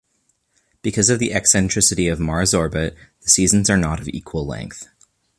Because of the eccentricity of Mars' orbit, the seasons are not of equal length.